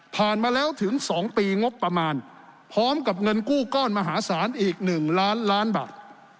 มาแล้วถึง๒ปีงบประมาณพร้อมกับเงินกู้ก้อนมหาศาลอีก๑ล้านล้านบาท